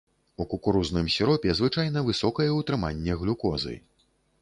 У кукурузным сіропе звычайна высокае ўтрыманне глюкозы.